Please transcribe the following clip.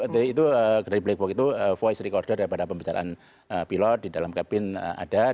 karena dari black book itu voice recorder daripada pembicaraan pilot di dalam kabin ada dari pilot ke menurut saya